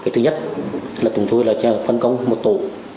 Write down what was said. thứ nhất là chúng tôi phân công một tổ